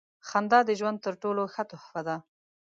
• خندا د ژوند تر ټولو ښه تحفه ده.